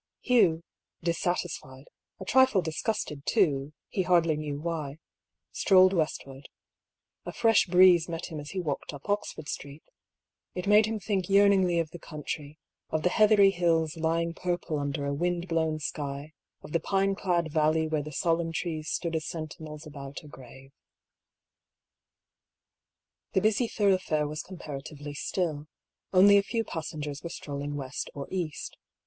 Hugh, dissatisfied, a trifle disgusted too, he hardly knew why, strolled westward. A fresh breeze met Hm as he walked up Oxford Street It made him think yearningly of the country, of the heathery hills lying purple under a wind blown sky, of the pine clad valley where the solemn trees stood as sentinels about — a grave. The busy thoroughfare was comparatively still : only a few passengers were strolling west or east.